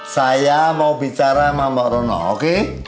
saya mau bicara sama mbak ronald oke